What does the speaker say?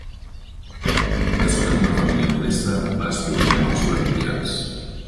Nascut en una família modesta, va estudiar amb els oratorians.